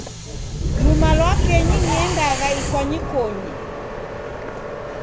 Luma lwa kenyi, niendagha ikwanyikonyi.